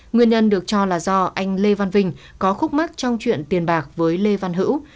nguyên nhân được cho là do anh lê văn vinh có khúc mắc trong chuyện tiền bạc với lê văn hữu